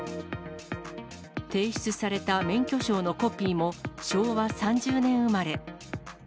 提出された免許証のコピーも、昭和３０年生まれ。